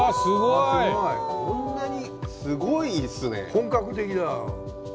本格的だ。